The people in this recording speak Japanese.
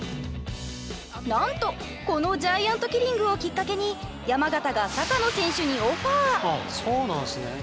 なんとこのジャイアントキリングをきっかけに山形が阪野選手にオファー。